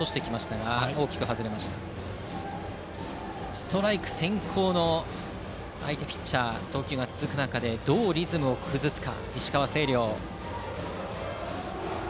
ストライク先行という相手ピッチャーの投球が続く中でどうリズムを崩すか、石川・星稜。